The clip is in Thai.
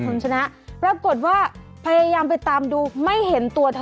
เขาโดดลงไปแล้ว